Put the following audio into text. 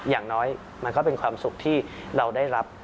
อย่างน้อยมันก็เป็นความสุขที่เราได้รับ